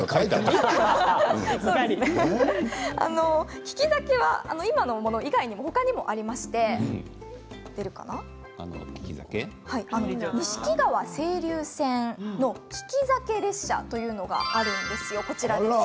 利き酒は今のもの以外にも他にもありまして錦川清流線の利き酒列車というのがあるんです。